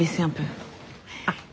あっ。